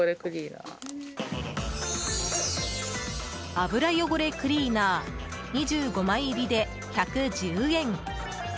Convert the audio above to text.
油よごれクリーナー２５枚入りで、１１０円。